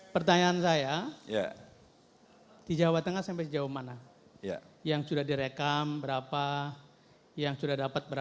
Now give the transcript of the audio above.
pertanyaan saya ya